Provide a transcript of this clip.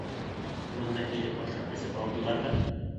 Бында килеп ашап-эсеп алдылар ҙа.